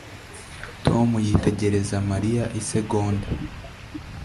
Tom yitegereza Mariya isegonda